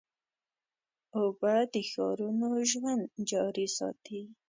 اوبه د ښارونو ژوند جاري ساتي.